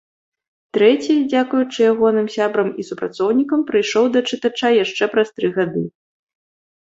Трэці, дзякуючы ягоным сябрам і супрацоўнікам, прыйшоў да чытача яшчэ праз тры гады.